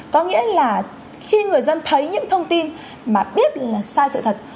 có nghĩa là khi người dân thấy những thông tin mà biết là sai sự thật